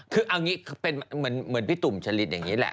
คือเอางี้เป็นเหมือนพี่ตุ่มชะลิดอย่างนี้แหละ